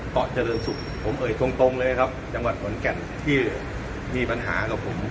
ต่อเจริญสุขผมเอ่ยตรงตรงเลยนะครับจังหวัดหวันแก่นที่มีปัญหากับผม